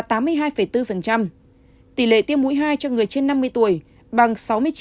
tỷ lệ tiêm mũi hai cho người trên năm mươi tuổi bằng sáu mươi chín bốn